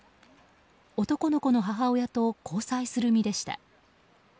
男の子の母親と交際する身でした。